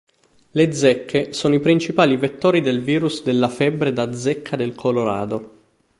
Le zecche sono i principali vettori del virus della febbre da zecca del Colorado.